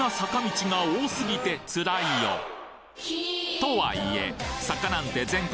とはいえ坂なんて全国